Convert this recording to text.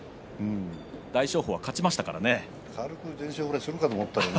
大翔鵬、勝ちましたからね。